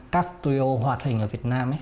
các studio hoạt hình ở việt nam